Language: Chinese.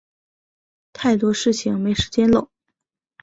太多的事情没时间搂